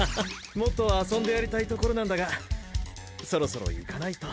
もっと遊んでやりたいところなんだがそろそろ行かないと。